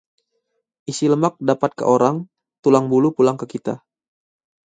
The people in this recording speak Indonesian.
Isi lemak dapat ke orang, tulang bulu pulang ke kita